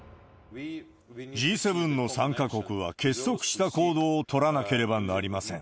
Ｇ７の参加国は結束した行動を取らなければなりません。